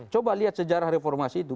coba lihat sejarah reformasi itu